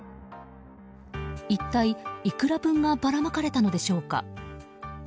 一体いくら分がばらまかれたのでしょうか。